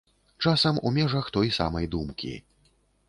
Часам у межах той самай думкі.